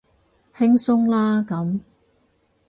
輕鬆啦咁